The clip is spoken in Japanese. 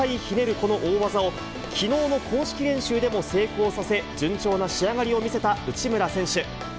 この大技を、きのうの公式練習でも成功させ、順調な仕上がりを見せた内村選手。